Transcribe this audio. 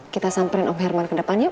kita samperin om herman ke depan yuk